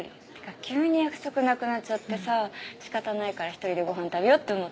急に約束なくなっちゃってさ仕方ないから１人でごはん食べようと思って。